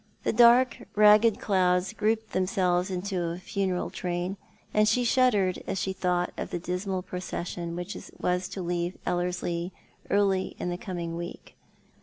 The dark, ragged clouds grouped themselves into a funeral train, and she shuddered as she thought of the dismal procession which was to leave Ellerslie early in the coming week.